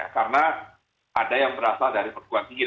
karena ada yang berasal dari perguruan tinggi